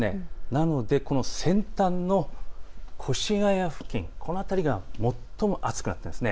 なので先端の越谷付近、この辺りが最も暑かったんです。